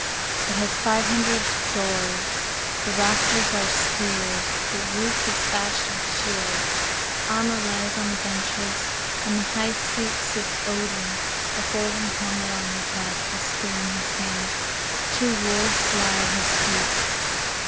It has five hundred doors. The rafters are spears. The roof is thatched with shields. Armor lies on the benches. In the high seat sits Odin, a golden helmet on his head, a spear in his hand. Two wolves lie at his feet.